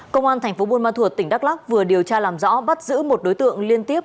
công an tp bun ma thuột tỉnh đắk lắc vừa điều tra làm rõ bắt giữ một đối tượng liên tiếp